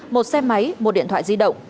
một xe máy một điện thoại di động